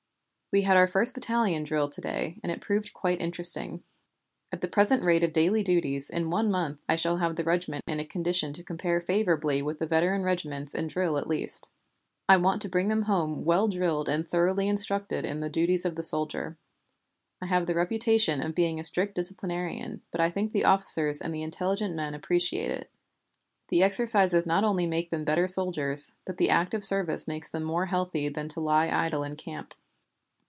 We had our first battalion drill to day and it proved quite interesting. At the present rate of daily duties in one month I shall have the regiment in a condition to compare favorably with the veteran regiments in drill at least. I want to bring them home well drilled and thoroughly instructed in the duties of the soldier. I have the reputation of being a strict disciplinarian, but I think the officers and the intelligent men appreciate it. The exercises not only make them better soldiers, but the active service makes them more healthy than to lie idle in camp.